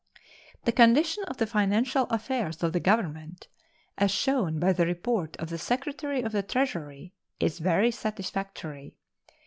The condition of the financial affairs of the Government, as shown by the report of the Secretary of the Treasury, is very satisfactory.